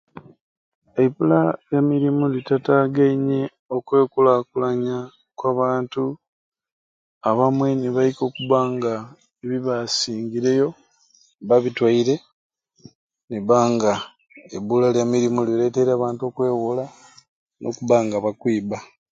Ebbula ya mirumu etatageinye okwekulakulanya kwa bantu abamwei nebaika okuba nga byebasingireyo babitwayire niriba nga ebbula lya mirumu lireteyire abantu okwewola n'okuba nga bakwiba